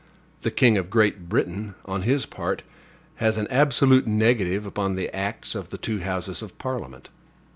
The king of Great Britain, on his part, has an absolute negative upon the acts of the two houses of Parliament.